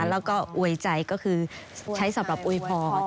แล้วก็อวยใจก็คือใช้สำหรับอวยพร